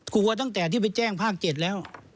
กลัวตั้งแต่ที่ไปแจ้งภาค๗แล้ว